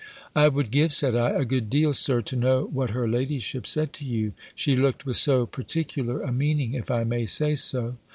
"I would give," said I, "a good deal, Sir, to know what her ladyship said to you; she looked with so particular a meaning, if I may say so."